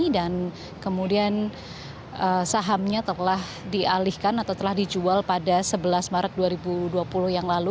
dan kemudian sahamnya telah dialihkan atau telah dijual pada sebelas maret dua ribu dua puluh yang lalu